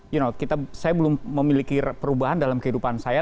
you knot saya belum memiliki perubahan dalam kehidupan saya